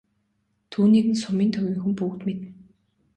Түүнийг нь сумын төвийнхөн бүгд мэднэ.